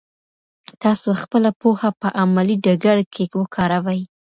تاسو خپله پوهه په عملي ډګر کې وکاروئ.